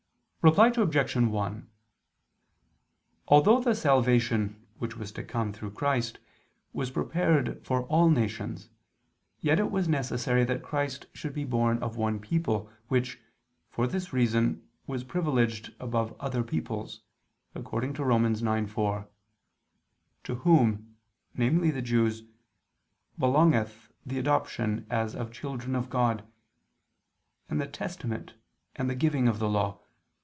Reply Obj. 1: Although the salvation, which was to come through Christ, was prepared for all nations, yet it was necessary that Christ should be born of one people, which, for this reason, was privileged above other peoples; according to Rom. 9:4: "To whom," namely the Jews, "belongeth the adoption as of children (of God) ... and the testament, and the giving of the Law